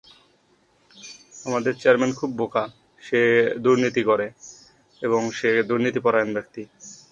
বর্তমান চেয়ারম্যান-